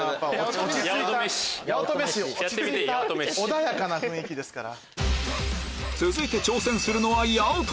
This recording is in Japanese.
穏やかな雰囲気ですから。